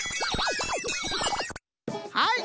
はい！